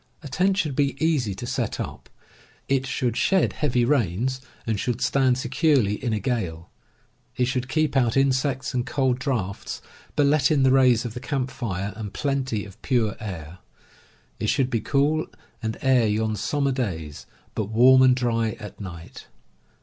A tent should be easy to set up. It should shed heavy rains, and should stand securely in a gale. It should keep out insects and cold draughts, but let in the rays of the camp fire and plenty of pure air. It should be cool and air yon summer days, but warm and dry at night.